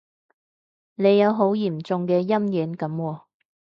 你有好嚴重嘅陰影噉喎